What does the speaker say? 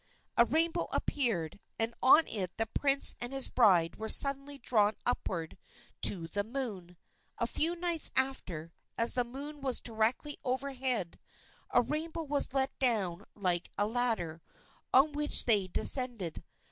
A rainbow appeared, and on it the prince and his bride were suddenly drawn upward to the moon. A few nights after, as the moon was directly overhead, a rainbow was let down like a ladder, on which they descended.